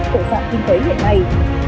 của dạng kinh tế hiện nay